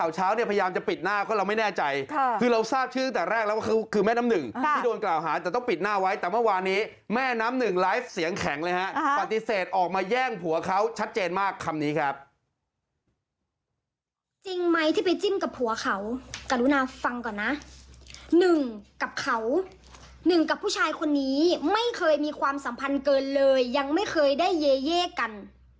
จริงไหมที่ไปจิ้มกับผัวเขากรุณาฟังก่อนนะหนึ่งกับเขาหนึ่งกับผู้ชายคนนี้ไม่เคยมีความสัมพันธ์เกินเลยยังไม่เคยได้เยเย่กัน